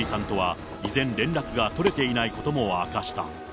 彭帥さんとは依然連絡が取れていないことも明かした。